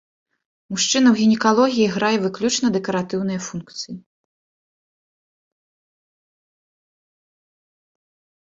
Мужчына ў гінекалогіі грае выключна дэкаратыўныя функцыі.